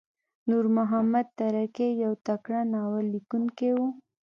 نورمحمد ترهکی یو تکړه ناوللیکونکی وو.